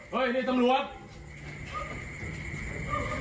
เฮ้ยนี่ตำรวจ